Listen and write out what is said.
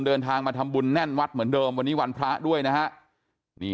เดินทางมาทำบุญแน่นวัดเหมือนเดิมวันนี้วันพระด้วยนะฮะนี่